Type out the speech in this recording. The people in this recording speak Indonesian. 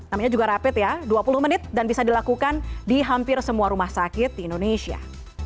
namanya juga rapid ya dua puluh menit dan bisa dilakukan di hampir semua rumah sakit di indonesia